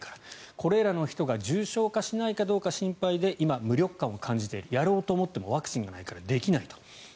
これらの人が重症化しないかどうか心配で今、無力感を感じているやろうと思ってもワクチンがないからできないと。